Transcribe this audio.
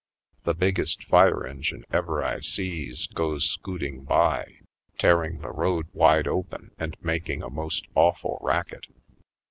The biggest fire engine ever I sees goes scooting by, tearing the road wide open and making a most awful racket.